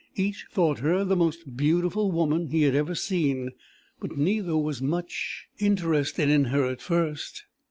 Each thought her the most beautiful woman he had ever seen, but neither was much interested in her at first.